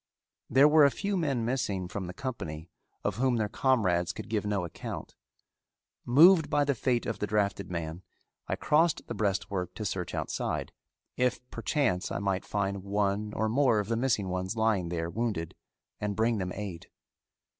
There were a few men missing from the company of whom their comrades could give no account. Moved by the fate of the drafted man, I crossed the breastwork to search outside, if perchance I might find one or more of the missing ones lying there wounded and bring them aid.